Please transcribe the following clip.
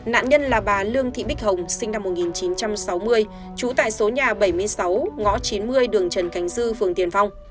nạn nhân là bà lương thị bích hồng sinh năm một nghìn chín trăm sáu mươi trú tại số nhà bảy mươi sáu ngõ chín mươi đường trần khánh dư phường tiền phong